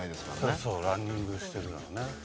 そうそう「ランニングしてる」だもんね。